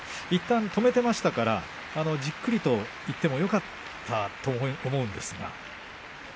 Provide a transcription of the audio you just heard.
いったん止めていましたからじっくりいってもよかったと思うんですが。